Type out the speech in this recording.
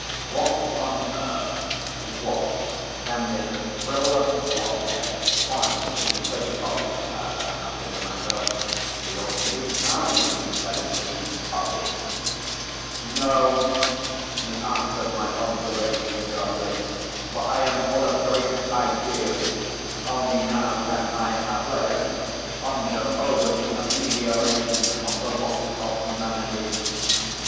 "What on earth, what, can this frivolous blockhead find to be so cocky about?" I muttered to myself. "He ought to be crying instead of being cocky." "No!" he answered my observation sharply, "for I am full of great ideas, only now can I at leisure ponder over the amelioration of the lot of humanity.